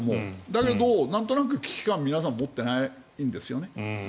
だけど、なんとなく危機感を皆さん持ってないんですよね。